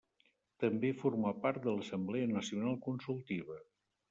També formà part de l'Assemblea Nacional Consultiva.